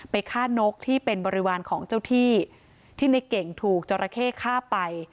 ฆ่านกที่เป็นบริวารของเจ้าที่ที่ในเก่งถูกจราเข้ฆ่าไป